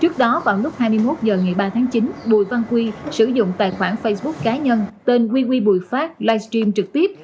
trước đó vào lúc hai mươi một h ngày ba tháng chín bùi văn quý sử dụng tài khoản facebook cá nhân tên wewe bùi phát live stream trực tiếp